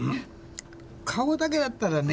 顔だけだったらね、